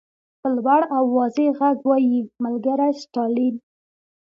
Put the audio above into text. په لوړ او واضح غږ وایي ملګری ستالین.